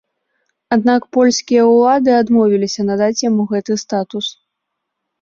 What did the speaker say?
Аднак польскія ўлады адмовіліся надаць яму гэты статус.